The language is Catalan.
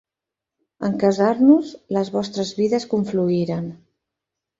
En casar-nos les nostres vides confluïren.